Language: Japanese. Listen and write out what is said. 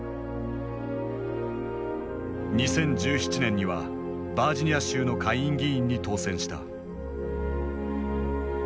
２０１７年にはバージニア州の下院議員に当選した。